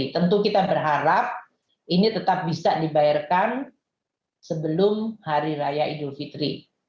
tentu kita berharap ini tetap bisa dibayarkan sebelum hari raya idul fitri